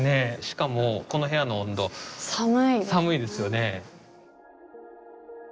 しかもこの部屋の温度寒いです寒いですよね